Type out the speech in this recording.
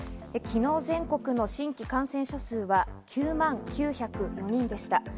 昨日、全国の新規感染者数が９万９０４人でした。